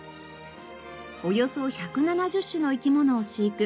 およそ１７０種の生き物を飼育。